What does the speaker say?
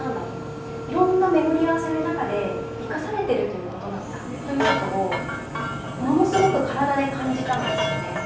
いろんな巡り合わせの中で生かされてるということなんだということをものすごく体で感じたんですよね